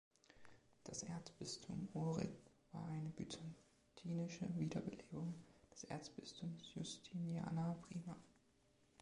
Das Erzbistum Ohrid war eine byzantinische Wiederbelebung des Erzbistums Justiniana Prima.